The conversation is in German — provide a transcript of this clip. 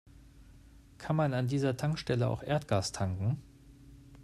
Kann man an dieser Tankstelle auch Erdgas tanken?